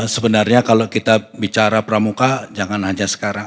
sebenarnya kalau kita bicara pramuka jangan hanya sekarang